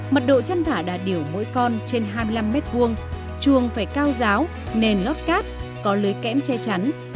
mật độ chăn thả đà điểu mỗi con trên hai mươi năm m hai chuồng phải cao giáo nền lót cát có lưới kẽm che chắn